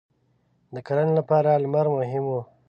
• د کرنې لپاره لمر مهم و.